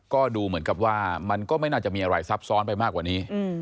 ก็ดูเหมือนกับว่ามันก็ไม่น่าจะมีอะไรซับซ้อนไปมากกว่านี้